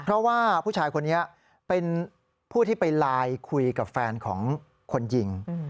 เพราะว่าผู้ชายคนนี้เป็นผู้ที่ไปไลน์คุยกับแฟนของคนยิง